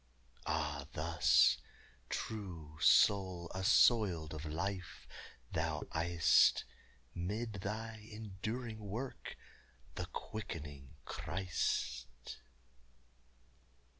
_Ah thus, true soul assoiled of life, thou ey'st, Mid thy enduring work, the quickening Christ!